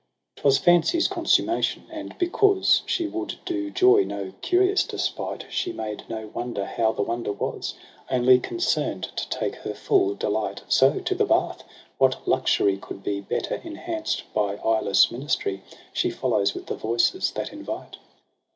I? 'Twas fancy's consummation, and because She would do joy no curious despite. She made no wonder how the wonder was ■ Only concern'd to take her fiill delight. So to the bath, — what luxury could be Better enhanced by eyeless ministry ?— She follows with the voices that invite.